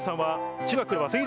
はい。